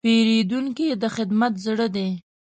پیرودونکی د خدمت زړه دی.